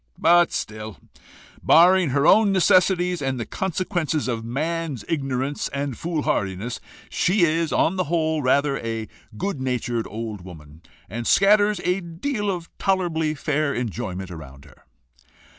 But still, barring her own necessities, and the consequences of man's ignorance and foolhardiness, she is on the whole rather a good natured old woman, and scatters a deal of tolerably fair enjoyment around her."